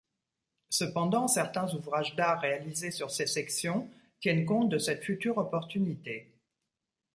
Cependant, certains ouvrages d'art réalisés sur ces sections tiennent compte de cette future opportunité.